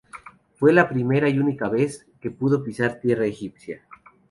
Fue la primera y única vez que pudo pisar tierra egipcia.